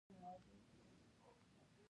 د حجرې د وچوالي لامل کیږي چې پلازمولیزس نومېږي.